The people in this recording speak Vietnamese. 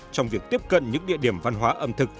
trong việc tiếp cận những địa điểm văn hóa ẩm thực